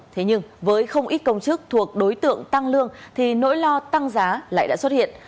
thế nhưng với không ít công chức thuộc đối tượng tăng lương thì nỗi lo tăng giá lại đã xuất hiện